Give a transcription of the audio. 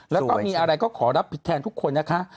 แล้วก็มีอะไรก็ขอรับผิดแทนทุกคนนะคะ